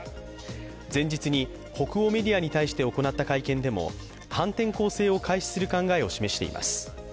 前日に北欧メディアに対して行った会見でも反転攻勢を開始する考えを示しています。